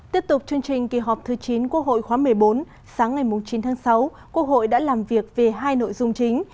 tiếp tục chương trình kỳ họp thứ chín quốc hội khóa một mươi bốn sáng ngày chín tháng sáu quốc hội đã làm việc về hai nội dung chính